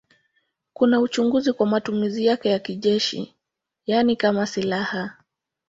Kuna uchunguzi kwa matumizi yake ya kijeshi, yaani kama silaha.